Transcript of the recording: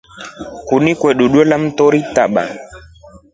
Ini kwa motru ngela kamtori taba.